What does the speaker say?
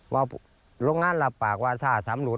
ว่าหลวงงานลับปากว่าชาวสามหรุด